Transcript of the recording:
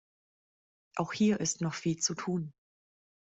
Auch hier ist noch viel zu tun.